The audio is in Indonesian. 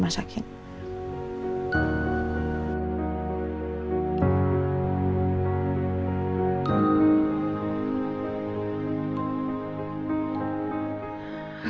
ibu mau duluan